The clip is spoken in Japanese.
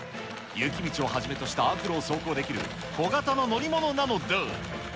雪道をはじめとした悪路を走行できる、小型の乗り物なのだ。